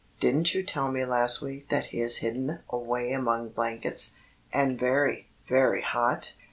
Didn't you tell me last week that he is hidden away among blankets, and very, very hot?"